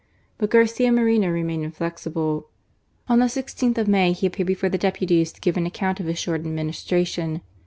But Garcia Moreno remained inflex ible. On the i6th of May he appeared before the deputies to give an account of his short administra tion.